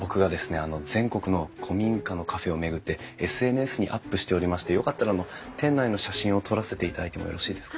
全国の古民家のカフェを巡ってＳＮＳにアップしておりましてよかったらあの店内の写真を撮らせていただいてもよろしいですか？